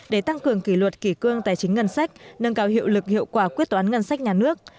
để tăng cường kỷ luật kỷ cương tài chính ngân sách nâng cao hiệu lực hiệu quả quyết toán ngân sách nhà nước